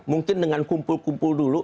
mungkin dengan kumpul kumpul dulu